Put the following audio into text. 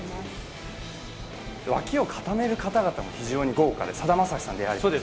脇を固める方々も非常に豪華で、さだまさしさんだったり。